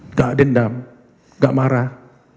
enggak dendam enggak marah